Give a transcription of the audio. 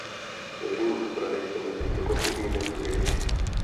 Složení potravy se mezi jednotlivými druhy liší.